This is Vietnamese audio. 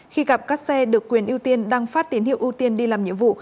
khi gặp các xe được quyền ưu tiên đang phát tín hiệu ưu tiên đi làm nhiệm vụ